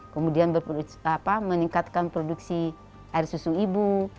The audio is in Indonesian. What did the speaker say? kemudian meningkatkan produksi air susu ibu